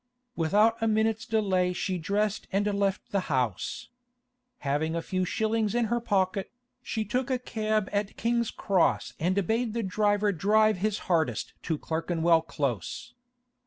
Without a minute's delay she dressed and left the house. Having a few shillings in her pocket, she took a cab at King's Cross and bade the driver drive his hardest to Clerkenwell Close.